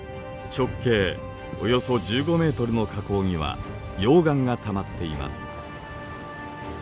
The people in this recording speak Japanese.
直径およそ１５ｍの火口には溶岩がたまっています。